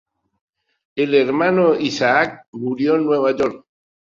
El Hermano Isaac murió en Nueva York.